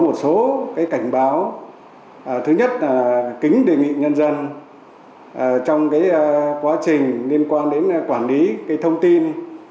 một số cái cảnh báo thứ nhất là kính đề nghị nhân dân trong cái quá trình liên quan đến quản lý cái thông tin